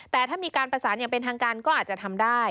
แต่ถ้ามีการประสานอย่างเป็นทางการก็อาจจะทำได้